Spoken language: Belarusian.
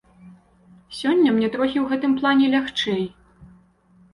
Сёння мне трохі ў гэтым плане лягчэй.